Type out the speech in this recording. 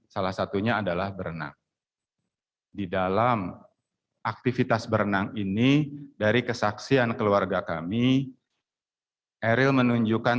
salah satunya adalah berenang di dalam aktivitas berenang ini dari kesaksian keluarga kami eril menunjukkan